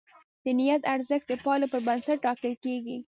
د نیت ارزښت د پایلو پر بنسټ ټاکل کېږي.